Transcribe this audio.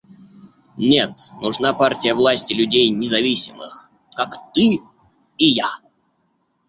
Нет, нужна партия власти людей независимых, как ты и я.